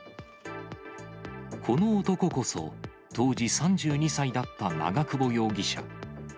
この男こそ、当時３２歳だった長久保容疑者。